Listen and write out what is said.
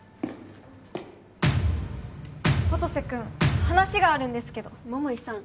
音瀬君話があるんですけど桃井さん